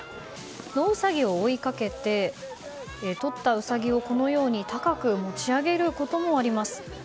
野うさぎを追いかけてとったうさぎをこのように高く持ち上げることもあります。